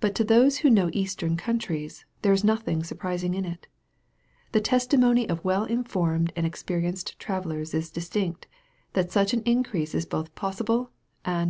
But to those who know eastern countries, there is nothing surprising in it. The testimony of well informed and experienced travellers is distinct, that such an increase is both possible and probable.